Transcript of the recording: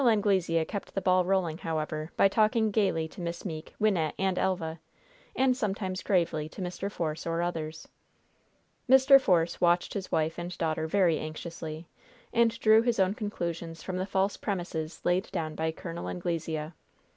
Anglesea kept the ball rolling, however, by talking gayly to Miss Meeke, Wynnette and Elva, and sometimes gravely to Mr. Force or others. Mr. Force watched his wife and daughter very anxiously, and drew his own conclusions from the false premises laid down by Col. Anglesea.